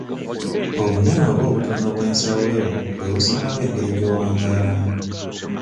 Obunene oba obutono bw'ensawo yo bwe busalawo engeri gy'owangaalamu.